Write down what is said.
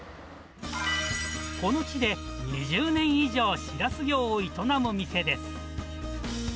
この地で２０年以上、シラス漁を営む店です。